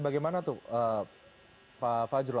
bagaimana tuh pak wajrul